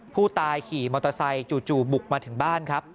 ผู้ตายขี่มอเตอร์ไซค์จู่บุกมาถึงบ้านครับ